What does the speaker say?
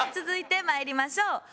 続いてまいりましょう。